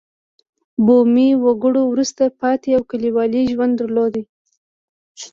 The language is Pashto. بومي وګړو وروسته پاتې او کلیوالي ژوند درلود.